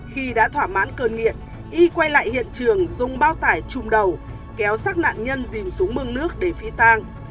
khi đã thỏa mãn cơn nghiện y quay lại hiện trường dùng bao tải trùng đầu kéo xác nạn nhân dìm xuống mương nước để phi tang